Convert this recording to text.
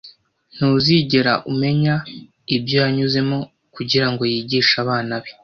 Ntuzigera umenya ibyo yanyuzemo kugirango yigishe abana be.